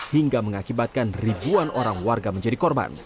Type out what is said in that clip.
hingga mengakibatkan ribuan orang warga menjadi korban